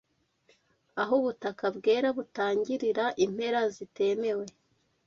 Aho ubutaka bwera butangirira, impera zitemewe,